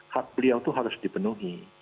hak beliau itu harus dipenuhi